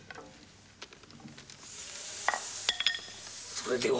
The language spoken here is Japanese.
それでは。